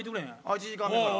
１時間目から？